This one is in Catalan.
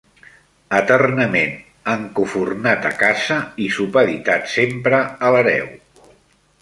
Eternament encofurnat a casa i supeditat sempre a l'hereu.